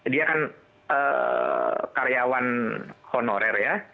dia kan karyawan honorer ya